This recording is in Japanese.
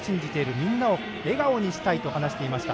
みんなを笑顔にしたいと話していました。